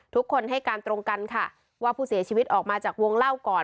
ทุกคนให้การตรงกันค่ะว่าผู้เสียชีวิตออกมาจากวงเล่าก่อน